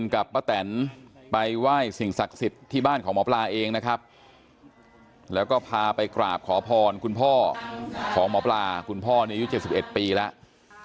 กับป้าแตนไปไหว้สิ่งศักดิ์สิทธิ์ที่บ้านของหมอปลาเองนะครับแล้วก็พาไปกราบขอพรคุณพ่อของหมอปลาคุณพ่ออายุ๗๑ปีแล้ว